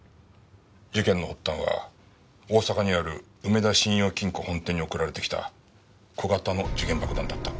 事件の発端は大阪にある梅田信用金庫本店に送られてきた小型の時限爆弾だった。